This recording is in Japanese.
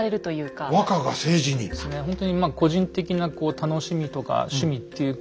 ほんとにまあ個人的な楽しみとか趣味っていう